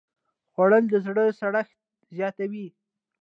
خوړل د زړه سړښت زیاتوي